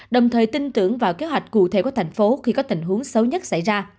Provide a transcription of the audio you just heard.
đồng thời tin tưởng vào kế hoạch cụ thể của thành phố khi có tình huống xấu nhất xảy ra